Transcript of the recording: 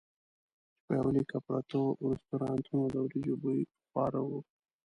چې په یوه لیکه پرتو رستورانتونو د وریجو بوی خواره وو.